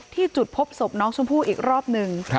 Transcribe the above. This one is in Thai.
ที่จุดพบศพน้องชมพู่อีกรอบหนึ่ง